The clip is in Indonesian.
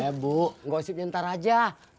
eh bu gosipnya ntar aja